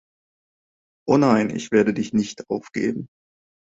Oh nein, ich werde dich nicht aufgeben.